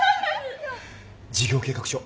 事業計画書